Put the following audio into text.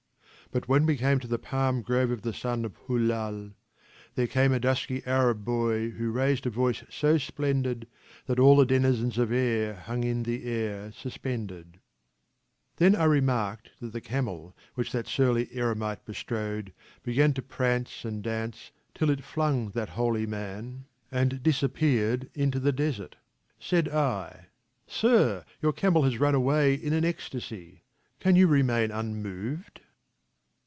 But when we came to the palm grove of the son of Hulal There came a dusky Arab boy who raised a voice so splendid, That all the denizens of air hung in the air suspended. Then I remarked that the camel which that surly eremite bestrode began to prance and dance till it flung that holy man and disappeared into the F 66 TRANSLATIONS FROM THE GULISTAN desert. Said I :" Sir, your camel has run away in an ecstasy : can you remain unmoved?"